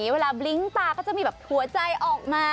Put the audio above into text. เวลาบลิ้งตาก็จะมีแบบหัวใจออกมา